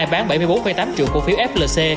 bán bảy mươi bốn tám triệu cổ phiếu flc